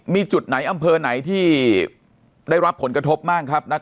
มีจุดไหนอำเภอไหนที่ได้รับผลกระทบบ้างครับ